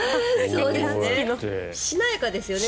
しなやかですよね